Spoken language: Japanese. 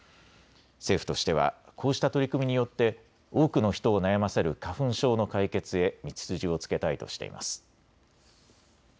政府としてはこうした取り組みによって多くの人を悩ませる花粉症の解決へ道筋をつけたいとしています。